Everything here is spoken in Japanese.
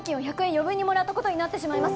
余分にもらったことになってしまいます